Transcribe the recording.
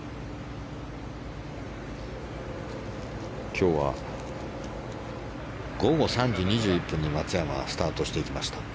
今日は午後３時２１分に松山はスタートしていきました。